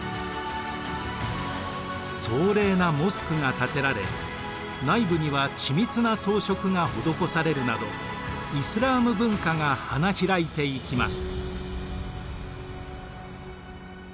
壮麗なモスクが建てられ内部には緻密な装飾が施されるなどイスラーム文化が花開いていきます。